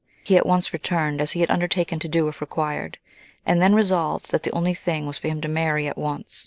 He at once returned, as he had undertaken to do if required, and then resolved that the only thing was for him to marry at once.